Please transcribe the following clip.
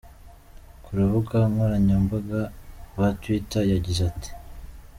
Ku rubuga nkoranyambaga rwa Twitter, yagize ati:.